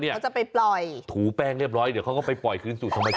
เขาจะไปปล่อยถูแป้งเรียบร้อยเดี๋ยวเขาก็ไปปล่อยคืนสู่ธรรมชาติ